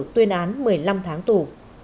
tuyên án một mươi năm tháng tù